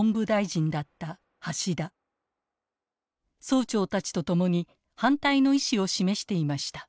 総長たちと共に反対の意思を示していました。